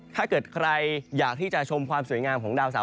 ถ้าเกิดใครอยากที่จะชมความสวยงามของดาวสาว